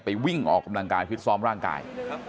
ไปวิ่งออกกำลังกายพิเศษร้อมร่างกาย